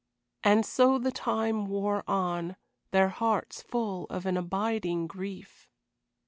And so the time wore on, their hearts full of an abiding grief.